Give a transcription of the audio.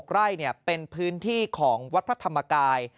๖ไร่เป็นพื้นที่ของวัดพระธรรมกาย